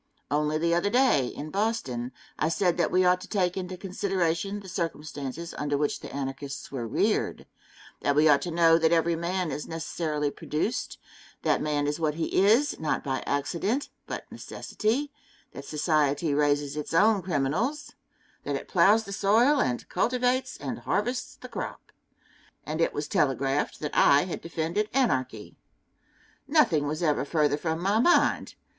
Only the other day, in Boston, I said that we ought to take into consideration the circumstances under which the Anarchists were reared; that we ought to know that every man is necessarily produced; that man is what he is, not by accident, but necessity; that society raises its own criminals that it plows the soil and cultivates and harvests the crop. And it was telegraphed that I had defended anarchy. Nothing was ever further from my mind.